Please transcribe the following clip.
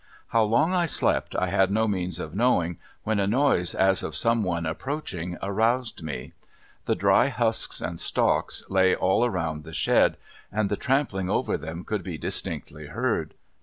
How long I slept I had no means of knowing when a noise as of some one approaching aroused me. The dry husks and stalks lay all around the shed, and the trampling over them could be distinctly heard.